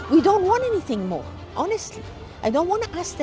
kita tidak ingin apa apa lagi jujur